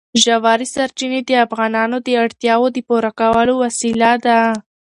ژورې سرچینې د افغانانو د اړتیاوو د پوره کولو وسیله ده.